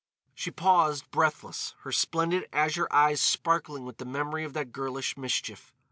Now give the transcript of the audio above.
She paused, breathless, her splendid azure eyes sparkling with the memory of that girlish mischief.